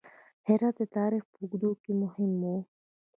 هرات د تاریخ په اوږدو کې مهم و